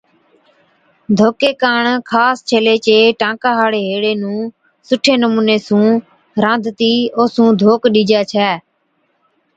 ڌوڪي ڪاڻ خاص ڇيلي چي ٽانڪان ھاڙي ھيڙي (سئُون گوڻِيئَي، جڪا چا ذڪر مٿي بِي ڪلا گيلا ڇَي) نُون سُٺي نمُوني سُون رانڌتِي اوسُون ڌوڪ ڏِجي ڇَي